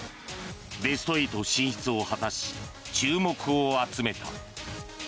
ベスト８進出を果たし注目を集めた。